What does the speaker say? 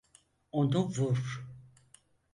Onu vur.